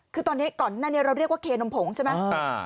คือตอนนี้ก่อนหน้านี้เราเรียกว่าเคนมผงใช่ไหม